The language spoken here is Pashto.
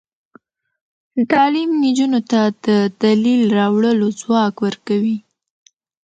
تعلیم نجونو ته د دلیل راوړلو ځواک ورکوي.